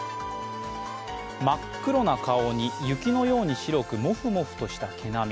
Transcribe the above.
真っ黒な顔に雪のように白くモフモフとした毛並み。